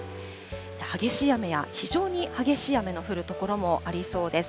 激しい雨や、非常に激しい雨の降る所もありそうです。